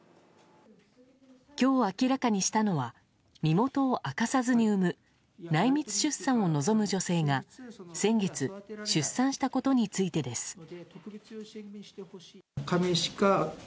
今日明らかにしたのは身元を明かさずに産む内密出産を望む女性が先月、出産したことについてです。